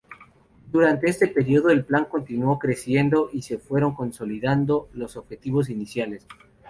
Durante este período el Plan continuó creciendo y se fueron consolidando los objetivos iniciales.